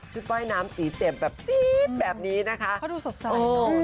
ว่ายน้ำสีเจ็บแบบจี๊ดแบบนี้นะคะเขาดูสดใส